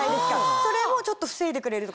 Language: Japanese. それもちょっと防いでくれるってことですか？